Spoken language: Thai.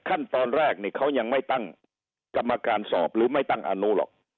ขั้นตอนแรกนี่เขายังไม่ตั้งกรรมการสอบหรือไม่ตั้งอนุหรอก